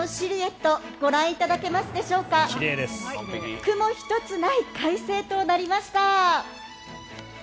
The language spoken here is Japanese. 雲一つない快晴となりました。